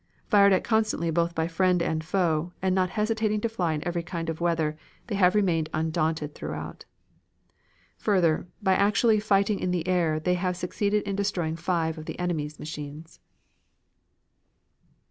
Fired at constantly both by friend and foe, and not hesitating to fly in every kind of weather, they have remained undaunted throughout. "Further, by actually fighting in the air, they have succeeded in destroying five of the enemy's machines."